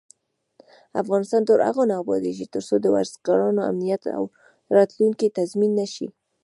افغانستان تر هغو نه ابادیږي، ترڅو د ورزشکارانو امنیت او راتلونکی تضمین نشي.